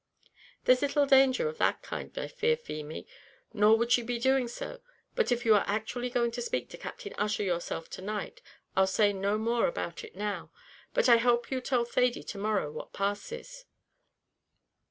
"There's little danger of that kind, I fear, Feemy, nor would she be doing so; but if you are actually going to speak to Captain Ussher yourself to night, I'll say no more about it now; but I hope you'll tell Thady to morrow what passes."